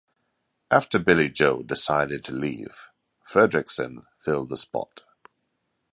After Billie Joe decided to leave, Frederiksen filled the spot.